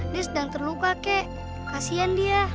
dia sedang terluka kakek kasian dia